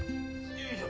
よいしょ。